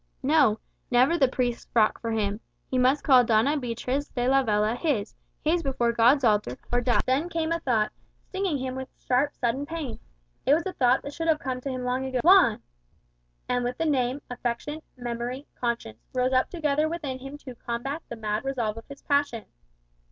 No; never the priest's frock for him. He must call Doña Beatriz de Lavella his his before God's altar or die. Then came a thought, stinging him with sharp, sudden pain. It was a thought that should have come to him long ago, "Juan!" And with the name, affection, memory, conscience, rose up together within him to combat the mad resolve of his passion.